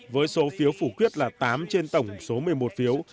với số phiếu phủ quyết là tám trên tổng số một mươi một phiếu